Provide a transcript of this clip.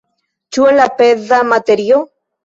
Ĉu en la peza materio?